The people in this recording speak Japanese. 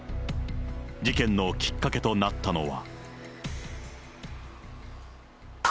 事件のきっかけとなったのは。